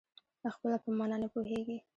خپله په مانا نه پوهېږي.